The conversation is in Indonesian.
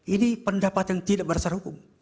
ini pendapat yang tidak berdasar hukum